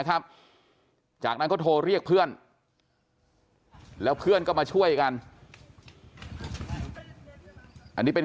ครับจากนั้นก็โทรเรียกเพื่อนแล้วเพื่อนก็มาช่วยกันอันนี้เป็น